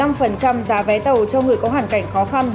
giảm một mươi năm giá vé tàu cho người có hoàn cảnh khó khăn